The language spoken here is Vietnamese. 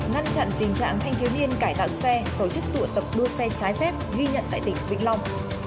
ngăn chặn tình trạng thanh thiếu niên cải tạo xe tổ chức tụ tập đua xe trái phép ghi nhận tại tỉnh vĩnh long